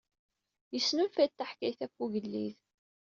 Yesnulfa-d taḥkayt ɣef ugellid.